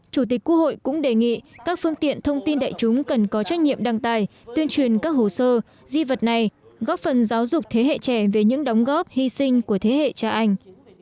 chủ tịch quốc hội cũng đề nghị các phương tiện thông tin đại chúng cần có trách nhiệm đăng tài tuyên truyền các hồ sơ di vật này góp phần giáo dục thế hệ trẻ về những đóng góp hy sinh của thế hệ cha anh